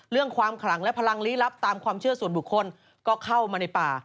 เรื่องความขลังและพลังลี้ลับตามความเชื่อส่วนบุคคลก็เข้ามาในป่า